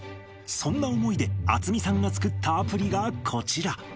そんな思いで渥美さんが作ったアプリがこちら。